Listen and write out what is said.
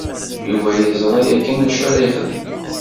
Yuba yeẓra yakan acu ara yexdem.